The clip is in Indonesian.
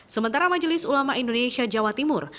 sementara majelis ulama indonesia jawa timur